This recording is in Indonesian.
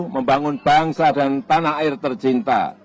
membangun bangsa dan tanah air tercinta